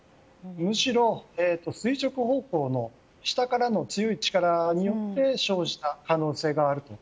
むしろ垂直方向の下からの強い力によって生じた可能性があると。